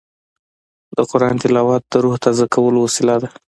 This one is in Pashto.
د قرآن تلاوت د روح تازه کولو وسیله ده.